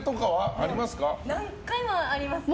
何回もありますね。